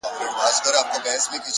مینه زړونه نږدې کوي